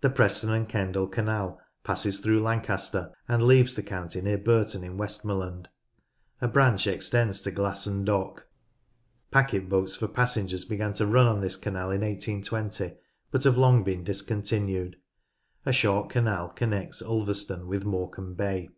The Preston and Kendal canal passes through Lan caster and leaves the county near Burton in Westmorland. A branch extends to Glasson Dock. Packet boats for passengers began to run on this canal in 1820, but have long been discontinued. A short canal connects Ulver ston with Morecambe Bay.